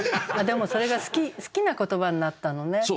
でもそれが好きな言葉になったのね。